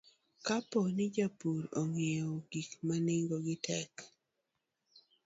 Kapo ni jopur ong'iewo gik ma nengogi tek,